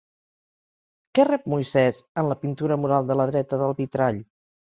Què rep Moisès en la pintura mural de la dreta del vitrall?